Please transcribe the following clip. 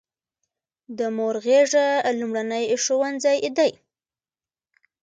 د مور غیږه لومړنی ښوونځی دی.